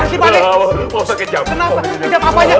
kejam apa nya